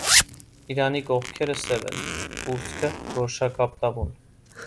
Իրանի կողքերը սև են, կուրծքը՝ գորշակապտավուն։